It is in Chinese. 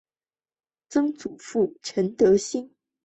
曾祖父陈德兴。